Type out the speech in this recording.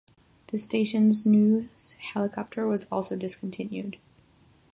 The station's news helicopter was also discontinued.